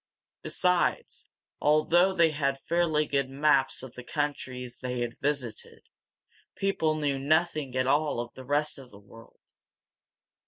Besides, although they had fairly good maps of the countries they had visited, people knew nothing at all of the rest of the world.